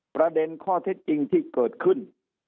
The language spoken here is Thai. ประเด็นข้อเท็จจริงที่เกิดขึ้น